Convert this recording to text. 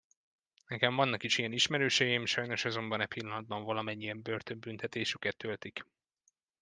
Nekem vannak is ilyen ismerőseim, sajnos azonban e pillanatban valamennyien börtönbüntetésüket töltik.